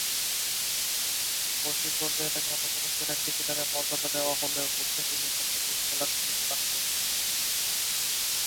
বৈশ্বিক পর্যায়ে তাকে অন্যতম সেরা ক্রিকেটারের মর্যাদা দেয়া হলেও ওয়েস্ট ইন্ডিজের পক্ষে টেস্ট খেলার সুযোগ পাননি।